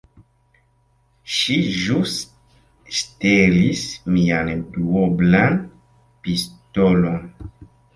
Ŝi ĵus ŝtelis mian duoblan pistolon.